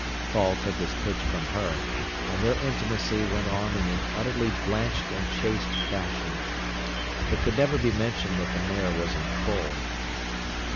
Paul took his pitch from her, and their intimacy went on in an utterly blanched and chaste fashion. It could never be mentioned that the mare was in foal.